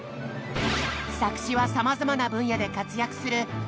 作詞はさまざまな分野で活躍する劇団ひとりさん。